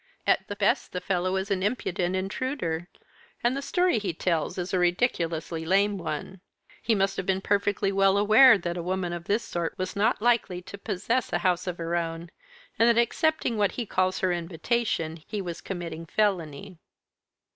At the best the fellow is an impudent intruder, and the story he tells is a ridiculously lame one. He must have been perfectly well aware that a woman of this sort was not likely to possess a house of her own, and that accepting what he calls her invitation he was committing felony."